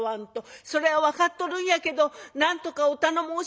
「それは分かっとるんやけどなんとかお頼申します。